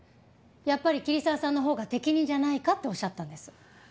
やっぱり桐沢さんのほうが適任じゃないかっておっしゃったんです。